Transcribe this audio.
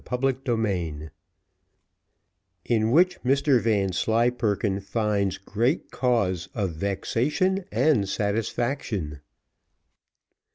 Chapter XXIII In which Mr Vanslyperken finds great cause of vexation and satisfaction.